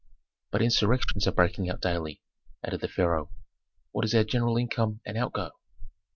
"But insurrections are breaking out daily," added the pharaoh. "What is our general income and outgo?"